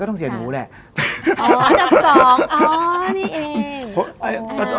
ต้องเสียหนูแหละ